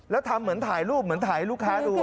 แล้วทำเหมือนถ่ายรูปเหมือนถ่ายให้ลูกค้าดู